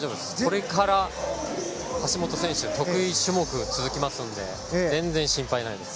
これから橋本選手得意種目が続きますので全然心配ないです。